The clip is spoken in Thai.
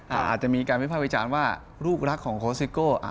อาจจะมีการมิวพาคแปบวิจารณ์ว่าลูกลักของโคสิโก้ไม่อ